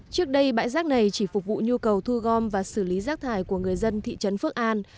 trước đây bãi rác này chỉ phục vụ nhu cầu thu gom và xử lý rác thải của người dân thị trấn phước an